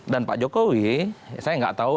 dan pak jokowi saya nggak tahu